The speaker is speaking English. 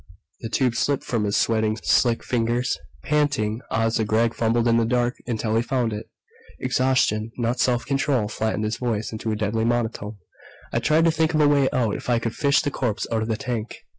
The tube slipped from his sweating, slick fingers. Panting, Asa Gregg fumbled in the dark until he found it. Exhaustion, not self control, flattened his voice to a deadly monotone. "I tried to think of a way out. If I could fish the corpse out of the tank!